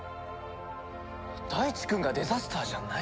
大智くんがデザスターじゃない！？